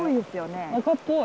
赤っぽい。